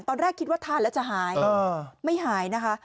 ตอนแรกคิดว่าทานแล้วจะหายไม่หายนะคะ